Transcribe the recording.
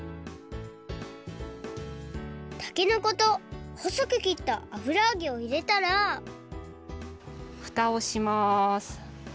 たけのことほそくきったあぶらあげをいれたらふたをします。